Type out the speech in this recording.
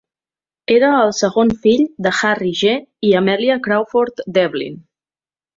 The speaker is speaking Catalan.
Era el segon fill de Harry G. i Amelia Crawford Devlin.